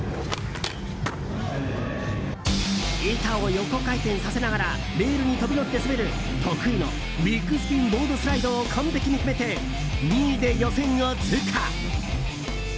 板を横回転させながらレールに飛び乗って滑る得意のビッグスピン・ボードスライドを完璧に決めて、２位で予選を通過。